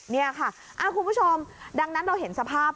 นี่ค่ะคุณผู้ชมดังนั้นเราเห็นสภาพ